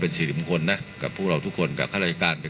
ทรงมีลายพระราชกระแสรับสู่ภาคใต้